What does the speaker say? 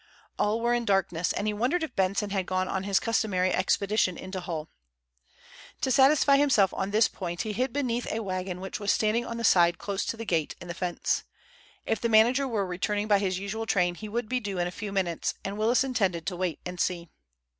All were in darkness, and he wondered if Benson had gone on his customary expedition into Hull. To satisfy himself on this point he hid beneath a wagon which was standing on the siding close to the gate in the fence. If the manager were returning by his usual train he would be due in a few minutes, and Willis intended to wait and see.